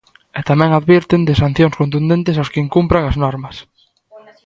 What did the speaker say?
E tamén advirten de sancións contundentes aos que incumpran as normas.